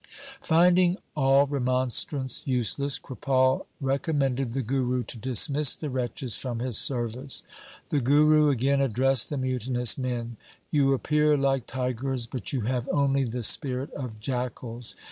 Finding all remonstrance useless, Kripal recom mended the Guru to dismiss the wretches from his service. The Guru again addressed the mutinous men :' You appear like tigers, but you have only the spirit of jackals.'